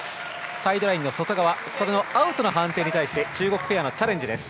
サイドラインの外側それのアウトの判定に対して中国ペアがチャレンジです。